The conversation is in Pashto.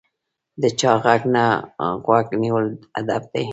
د چا غږ ته غوږ نیول ادب دی.